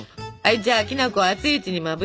じゃあきな粉を熱いうちにまぶして下さい。